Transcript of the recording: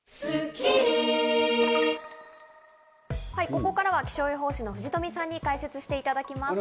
ここからは気象予報士の藤富さんに解説していただきます。